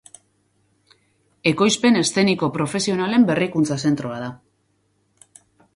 Ekoizpen eszeniko profesionalen berrikuntza zentroa da.